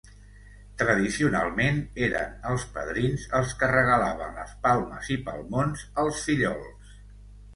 Tradicionalment eren els padrins els que regalaven les palmes i palmons als fillols.